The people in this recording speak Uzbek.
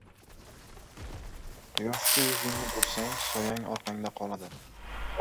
• Quyoshga yuzingni bursang, soyang orqangda qoladi.